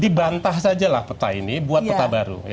dibantah sajalah peta ini buat peta baru